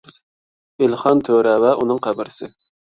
ئېلىخان تۆرە ۋە ئۇنىڭ قەبرىسى